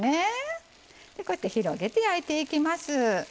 こうやって広げて焼いてきます。